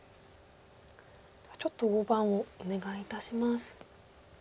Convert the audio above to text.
ちょっと大盤をお願いいたします。